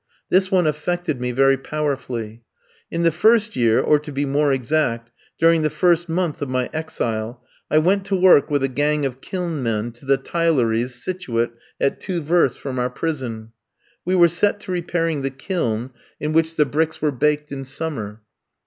This one affected me very powerfully. In the first year, or, to be more exact, during the first month of my exile, I went to work with a gang of kiln men to the tileries situate at two versts from our prison. We were set to repairing the kiln in which the bricks were baked in summer.